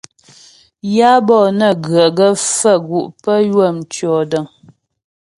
Yǎ bɔ'ɔ né ghə gaə́ faə̀ gu' pə́ ywə̂ mtʉɔ̂dəŋ.